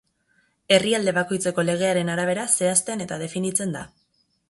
Herrialde bakoitzeko legearen arabera zehazten eta definitzen da.